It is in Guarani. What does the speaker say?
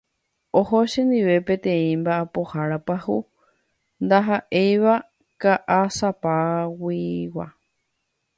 Oho chendive peteĩ mba'apohára pyahu ndaha'éiva Ka'asapaygua.